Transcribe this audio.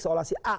seolah si a